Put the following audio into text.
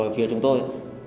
phía chúng tôi